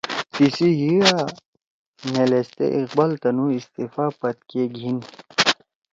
تیِسی حیِا نے لھیستے اقبال تنُو استعفا پدکے گھیِن